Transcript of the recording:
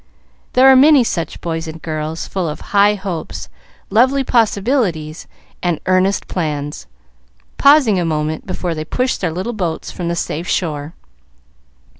There are many such boys and girls, full of high hopes, lovely possibilities, and earnest plans, pausing a moment before they push their little boats from the safe shore.